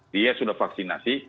dia sudah vaksinasi